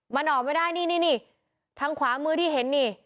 มันออกไม่ได้นี่นี่ทางขวามือที่เห็นนี่